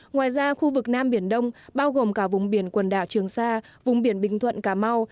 ngoài ra khu vực nam biển đông bao gồm cả vùng biển quần đảo trường sa vùng biển bình thuận cà mau